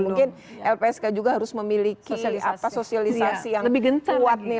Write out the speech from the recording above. mungkin lpsk juga harus memiliki sosialisasi yang kuat nih